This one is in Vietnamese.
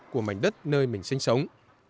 của mảnh đất nơi mình sinh sống